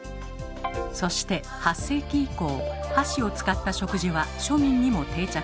そして８世紀以降箸を使った食事は庶民にも定着。